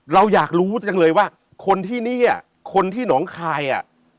เราอยากรู้จังเลยว่าคนที่นี่คนที่หนองคายอ่ะ